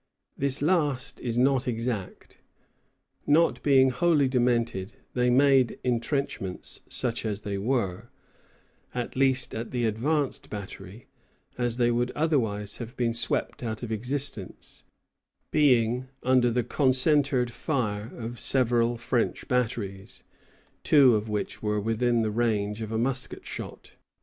This last is not exact. Not being wholly demented, they made intrenchments, such as they were, at least at the advanced battery; [Footnote: Diary of Joseph Sherburn, Captain at the Advanced Battery.] as they would otherwise have been swept out of existence, being under the concentred fire of several French batteries, two of which were within the range of a musket shot.